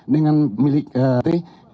dengan milik kkt